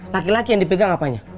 laki laki yang dipegang apanya